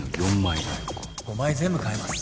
５枚全部換えます